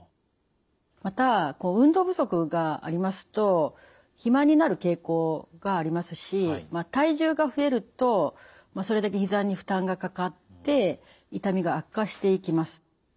また運動不足がありますと暇になる傾向がありますし体重が増えるとそれだけひざに負担がかかって痛みが悪化していきます。